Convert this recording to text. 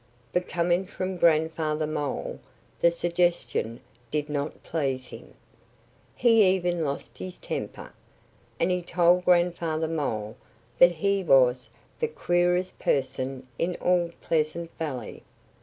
But coming from Grandfather Mole the suggestion did not please him. He even lost his temper. And he told Grandfather Mole that he was the queerest person in all Pleasant Valley.